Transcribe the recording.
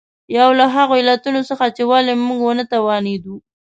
یو له هغو علتونو څخه چې ولې موږ ونه توانېدو.